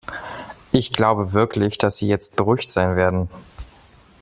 Ich glaube wirklich, dass sie jetzt beruhigt sein werden.